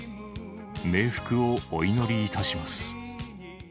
冥福をお祈りいたします。